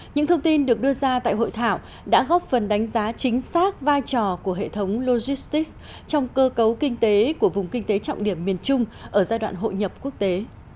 những thông tin được đưa ra tại hội thảo đã góp phần đánh giá chính xác vai trò của hệ thống logistic trong cơ cấu kinh tế của vùng kinh tế trọng điểm miền trung ở giai đoạn hội nhập quốc tế